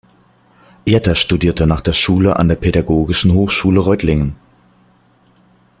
Jetter studierte nach der Schule an der Pädagogischen Hochschule Reutlingen.